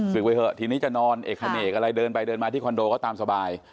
ไปเถอะทีนี้จะนอนเอกเขเนกอะไรเดินไปเดินมาที่คอนโดเขาตามสบาย